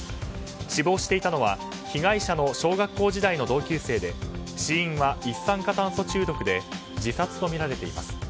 死亡していたのは被害者の小学校時代の同級生で死因は一酸化炭素中毒で自殺とみられています。